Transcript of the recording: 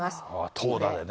投打でね。